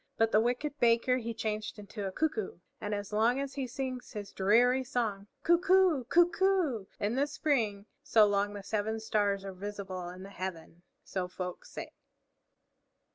But the wicked Baker he changed into a Cuckoo; and as long as he sings his dreary song, "Coo coo! Coo coo!" in the spring, so long the Seven Stars are visible in the heaven, so folk say.